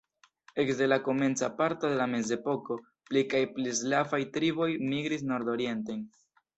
Ekde la komenca parto de la mezepoko pli kaj pli slavaj triboj migris nordorienten.